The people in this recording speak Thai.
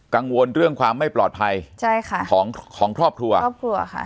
กังวลเรื่องความไม่ปลอดภัยใช่ค่ะของของครอบครัวครอบครัวค่ะ